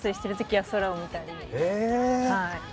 はい。